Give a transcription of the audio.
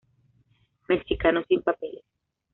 Mexicano sin papeles.